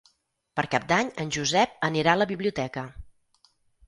Per Cap d'Any en Josep anirà a la biblioteca.